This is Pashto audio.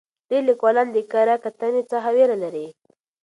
ډېر لیکوالان د کره کتنې څخه ویره لري.